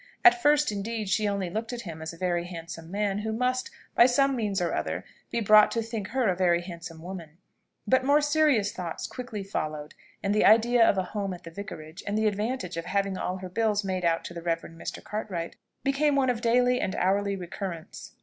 At first, indeed, she only looked at him as a very handsome man, who must, by some means or other, be brought to think her a very handsome woman: but more serious thoughts quickly followed, and the idea of a home at the Vicarage, and the advantage of having all her bills made out to the Rev. Mr. Cartwright, became one of daily and hourly recurrence.